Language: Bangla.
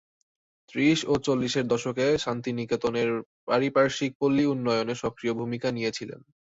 ত্রিশ ও চল্লিশের দশকে শান্তিনিকেতনের পারিপার্শ্বিক পল্লী উন্নয়নে সক্রিয় ভূমিকা নিয়েছিলেন।